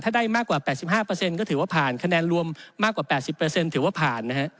ถ้าได้มากกว่า๘๕ก็ถือว่าผ่านคะแนนรวมมากกว่า๘๐ถือว่าผ่านนะฮะ